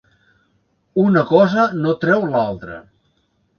Una cosa no treu l’altra.